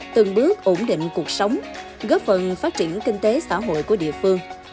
từng bước ổn định cuộc sống góp phần phát triển kinh tế xã hội của địa phương